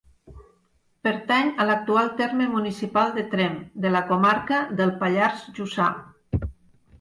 Pertany a l'actual terme municipal de Tremp, de la comarca del Pallars Jussà.